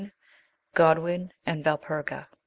GODWIN AND " VALPERGA."